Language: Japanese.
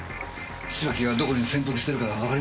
芝木がどこに潜伏してるかわかりませんかね。